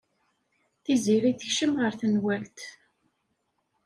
Tiziri tekcem ɣer tenwalt.